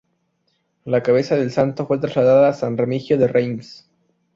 La cabeza del santo fue trasladada a San Remigio de Reims.